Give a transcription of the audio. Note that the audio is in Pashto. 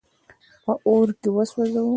په اور کي وسوځاوه.